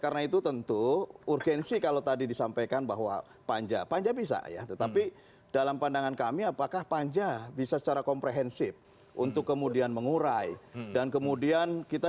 angket jadi maksud saya